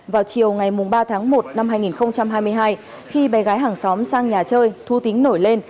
vào chiều ngày ba tháng một năm hai nghìn hai mươi hai khi bé gái hàng xóm sang nhà chơi thu tính nổi lên